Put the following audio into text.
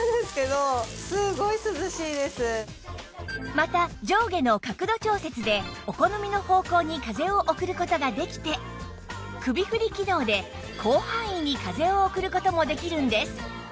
また上下の角度調節でお好みの方向に風を送る事ができて首振り機能で広範囲に風を送る事もできるんです